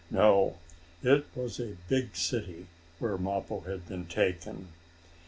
No, it was a big city where Mappo had been taken.